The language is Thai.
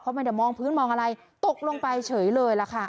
ไม่ได้มองพื้นมองอะไรตกลงไปเฉยเลยล่ะค่ะ